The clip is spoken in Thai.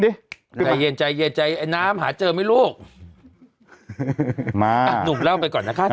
ได้เย็นใจเย็นใจไอ้น้ำหาเจอไหมลูก